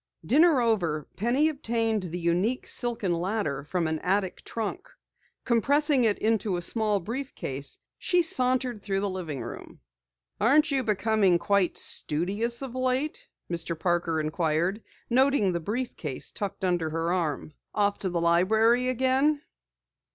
Dinner over, Penny obtained the unique silken ladder from an attic trunk. Compressing it into a small brief case, she sauntered through the living room. "Aren't you becoming quite studious of late?" Mr. Parker inquired, noting the brief case tucked under her arm. "Off to the library again?"